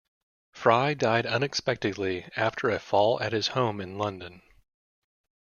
Fry died unexpectedly after a fall at his home in London.